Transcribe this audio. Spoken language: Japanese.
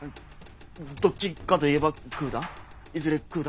どっちかといえば食うだ。